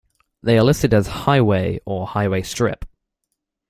They are listed as "Highway" or "Highway Strip".